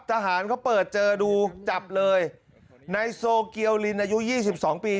ทหารเขาเปิดเจอดูจับเลยนายโซเกียลินอายุ๒๒ปี